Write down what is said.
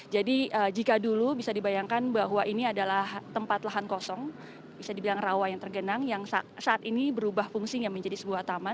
jadi jika dulu bisa dibayangkan bahwa ini adalah tempat lahan kosong bisa dibilang rawa yang tergenang yang saat ini berubah fungsinya menjadi sebuah taman